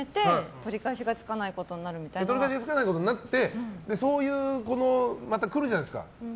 取り返しがつかないことになってまた、そういう機会が来るじゃないですか。